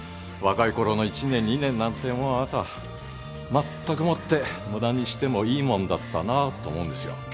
若いころの１年２年なんていうもんはあなたまったくもって無駄にしてもいいもんだったなぁと思うんですよ。